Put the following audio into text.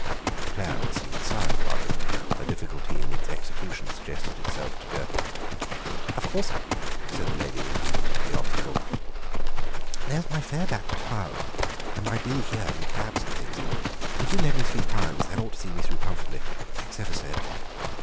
The plan seemed a sound one; a difficulty in its execution suggested itself to Jerton. "Of course," said the lady, when he hinted at the obstacle, "there's my fare back to town, and my bill here and cabs and things. If you'll lend me three pounds that ought to see me through comfortably. Thanks ever so.